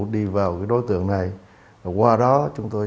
đi vào đối tượng này hoa đó chúng tôi